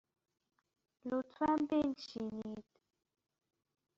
لطفاً بنشینید.